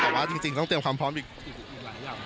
แต่ว่าจริงต้องเตรียมความพร้อมอีกหลายอย่าง